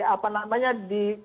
apa namanya di